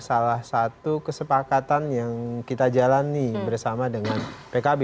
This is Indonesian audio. salah satu kesepakatan yang kita jalani bersama dengan pkb